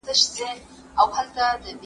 قصاص د عدل لار ده.